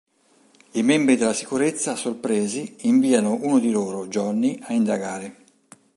I membri della sicurezza, sorpresi, inviano uno di loro, Johnny, a indagare.